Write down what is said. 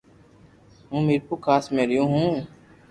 ھون ميرپورخاص مي ريون هون